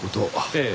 ええ。